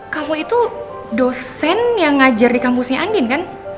kamu itu dosen yang ngajar di kampusnya andin kan